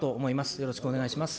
よろしくお願いします。